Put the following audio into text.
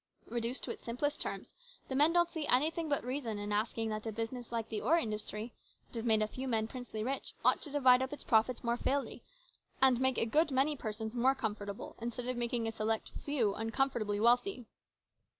Reduced to its simplest terms, the men don't see anything but reason in asking that a business like the ore industry, that has made a few men princely rich, ought to divide up its profits more fairly and make a good many persons more comfortable instead of making a select few uncomfortably wealthy."